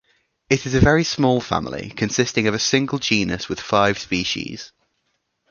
It is a very small family, consisting of a single genus with five species.